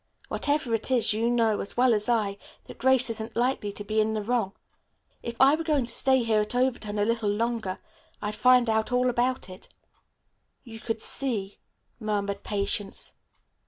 Whatever it is, you know, as well as I, that Grace isn't likely to be in the wrong. If I were going to stay here at Overton, a little longer, I'd find out all about it." "You could see," murmured Patience.